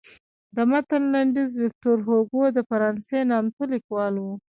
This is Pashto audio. د متن لنډیز ویکتور هوګو د فرانسې نامتو لیکوال و.